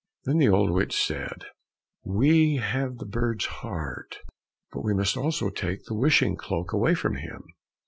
Then the old witch said, "We have the bird's heart, but we must also take the wishing cloak away from him."